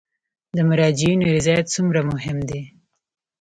د مراجعینو رضایت څومره مهم دی؟